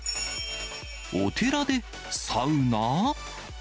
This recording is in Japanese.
お寺でサウナ？